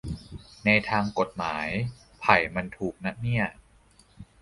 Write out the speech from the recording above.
ในทางกฎหมาย ไผ่มันถูกนะเนี่ย